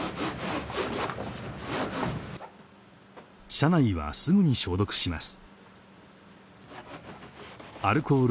車内はすぐに消毒します